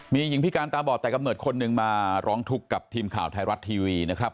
มีหญิงพิการตาบอดแต่กำเนิดคนหนึ่งมาร้องทุกข์กับทีมข่าวไทยรัฐทีวีนะครับ